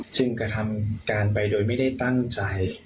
ซึ่งกระทำการไปโดยไม่ได้ตั้งใจ